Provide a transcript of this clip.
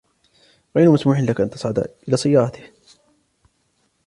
غير مسموح لك أن تصعد إلى سيارته.